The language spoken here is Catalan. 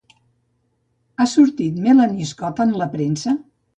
Ha sortit Melanie Scott en la premsa?